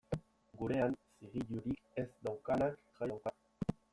Gurean, zigilurik ez daukanak jai dauka.